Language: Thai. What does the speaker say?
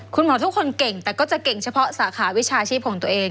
ทุกคนเก่งแต่ก็จะเก่งเฉพาะสาขาวิชาชีพของตัวเอง